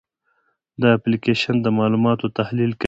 دا اپلیکیشن د معلوماتو تحلیل کوي.